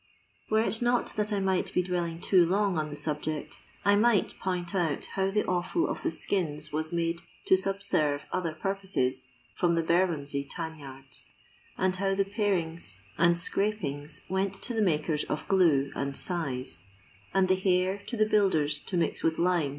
Were it not that 1 might be dwelling too long on the subject, I might point out how the ofial of the skins was made to subserve other purposes from the Bermondsey tan yards ; and how the parings and scrapings went to the makers of glue and sixe, and the hair to the builders to mix with lime, &c.